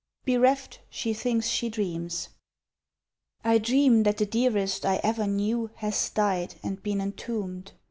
BEREFT, SHE THINKS SHE DREAMS I DREAM that the dearest I ever knew Has died and been entombed.